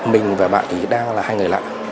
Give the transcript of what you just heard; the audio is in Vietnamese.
mình và bạn ấy đang là hai người lạ